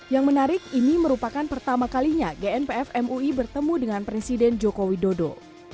yang menarik ini merupakan pertama kalinya genpfmui bertemu dengan presiden jokowi dodo